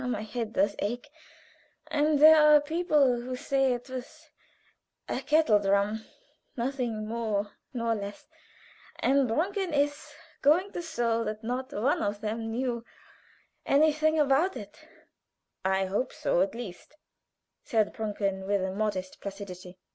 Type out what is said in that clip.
how my head does ache and there are people who say it was a kettle drum nothing more nor less; and Brunken is going to show that not one of them knew anything about it." "I hope so, at least," said Brunken, with a modest placidity.